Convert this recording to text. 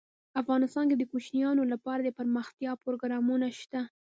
افغانستان کې د کوچیان لپاره دپرمختیا پروګرامونه شته.